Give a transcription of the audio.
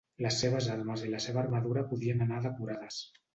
Les seves armes i la seva armadura podien anar decorades.